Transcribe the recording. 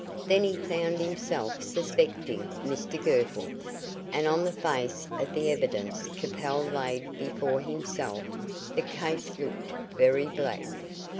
Then he found himself suspecting Mr Girtle, and on the face of the evidence Capel laid before himself, the case looked very black.